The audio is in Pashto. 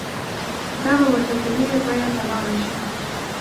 دا به ورته په لویه بیه تمامه شي.